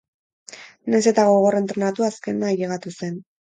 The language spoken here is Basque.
Nahiz eta gogor entrenatu azkena ailegatu zen.